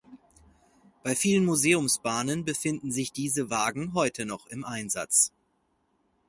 Bei vielen Museumsbahnen befinden sich diese Wagen heute noch im Einsatz.